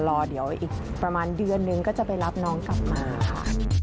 รอเดี๋ยวอีกประมาณเดือนนึงก็จะไปรับน้องกลับมาค่ะ